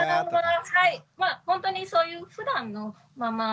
ほんとにそういうふだんのまま。